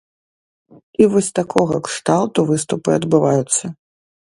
І вось такога кшталту выступы адбываюцца.